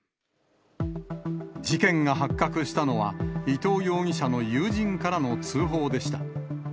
事件が発覚したのは、伊藤容疑者の友人からの通報でした。